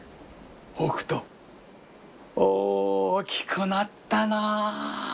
北斗大きくなったなあ。